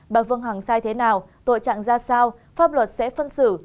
bà phương hằng sai thế nào tội trạng ra sao pháp luật sẽ phân xử